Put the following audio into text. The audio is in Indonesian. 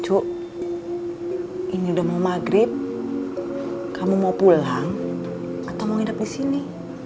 cuk ini udah mau maghrib kamu mau pulang atau mau nginep di sini